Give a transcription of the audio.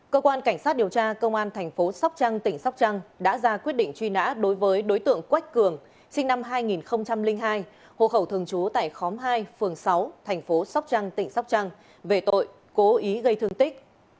cơ quan cảnh sát điều tra công an thành phố sóc trăng tỉnh sóc trăng đã ra quyết định truy nã đối với đối tượng quách cường sinh năm hai nghìn hai hồ khẩu thường trú tại khóm hai phường sáu thành phố sóc trăng tỉnh sóc trăng về tội cố ý gây thương tích